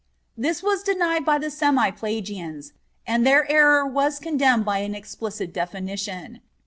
This was denied by the semi Pelagians, and their error was condemned by an explicit definition.